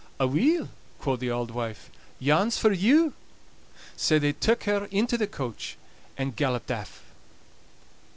"Aweel," quo' the auld wife, "yon's for you." Sae they took her into the coach, and galloped aff.